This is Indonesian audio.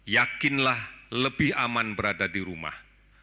yakinlah lebih aman berada di rumah